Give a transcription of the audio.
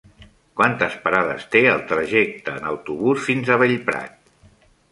Quantes parades té el trajecte en autobús fins a Bellprat?